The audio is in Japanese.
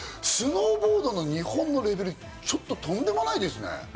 スノーボードの日本のレベル、ちょっととんでもないですね。